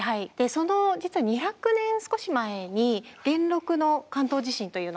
その実は２００年少し前に元禄の関東地震というのがありました。